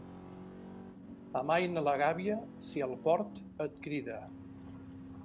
Amaina la gàbia si el port et crida.